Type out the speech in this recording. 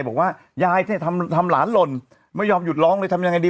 บอกว่ายายเนี่ยทำหลานหล่นไม่ยอมหยุดร้องเลยทำยังไงดี